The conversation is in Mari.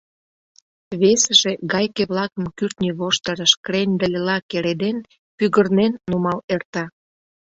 Весыже, гайке-влакым кӱртньӧ воштырыш крендыльла кереден, пӱгырнен нумал эрта.